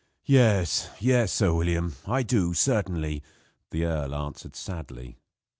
"Yes, yes, Sir William, I do, certainly," the earl answered sadly.